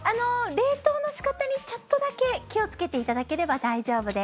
冷凍の仕方にちょっとだけ気をつけていただければ大丈夫です。